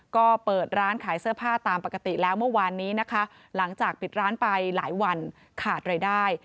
ก็เปิดร้านขายเสื้อผ้าตามปกติแล้วเมื่อวานนี้นะคะหลังจากปิดร้านไปหลายวันขาดรายได้